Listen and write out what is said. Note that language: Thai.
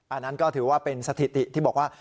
อันนั้นก็ถือว่าเป็นสถิติที่บอกว่า